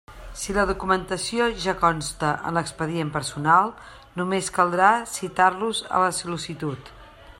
Si la documentació ja consta en l'expedient personal, només caldrà citar-los a la sol·licitud.